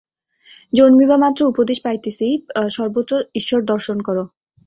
জন্মিবামাত্র উপদেশ পাইতেছি, সর্বত্র ঈশ্বর দর্শন কর।